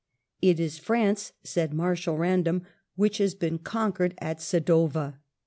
It is France," said Mai*shal Random, '* which has been conquered at Sadowa."